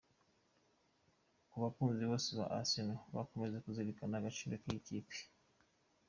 Ku bakunzi bose ba Arsenal, mukomeze kuzirikana agaciro k’iyi kipe.